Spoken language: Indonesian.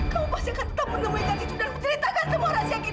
kamu pasti akan tetap menemui gatit itu